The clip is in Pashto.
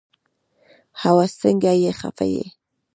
هوس سنګه خفه يي